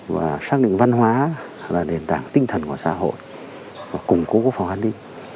và xác định văn hóa là nền tảng tinh thần của xã hội và củng cố quốc phòng an ninh